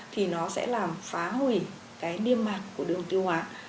thì nó sẽ làm phá hủy cái niêm mạc của đường tiêu hóa